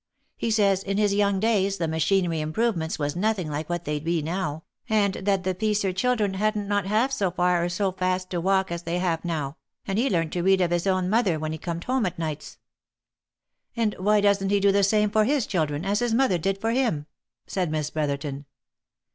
He says, in his young days, the machinery improvements was nothing like what they be now, and that the piecer children hadn't not half so far or so fast to walk as they have now, and he learnt to read of his own mother when he corned home at nights." " And why doesn't he do the same for his children, as his mother did for him?" said Miss Brotherton.